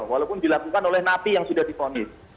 walaupun dilakukan oleh napi yang sudah diponis